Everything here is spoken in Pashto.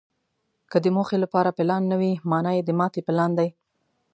که د موخې لپاره پلان نه وي، مانا یې د ماتې پلان دی.